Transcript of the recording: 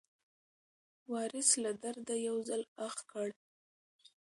وارث له درده یو ځل اخ کړ.